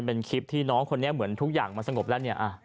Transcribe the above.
เป็นคลิปที่น้องคนนี้เหมือนทุกอย่างมันสงบแล้วเนี่ย